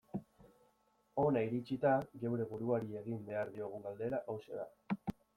Hona iritsita, geure buruari egin behar diogun galdera hauxe da.